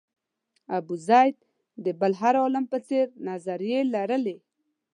ابوزید د بل هر عالم په څېر نظریې لرلې.